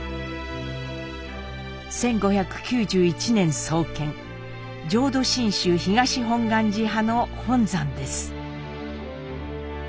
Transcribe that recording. １５９１年創建浄土真宗東本願寺派の本山です。